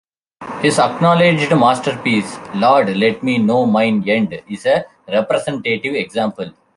His acknowledged masterpiece, "Lord, let me know mine end", is a representative example.